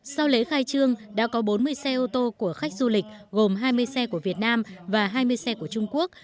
sau lễ khai trương đã có bốn mươi xe ô tô của khách du lịch gồm hai mươi xe của việt nam và hai mươi xe của trung quốc